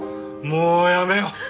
もうやめよう。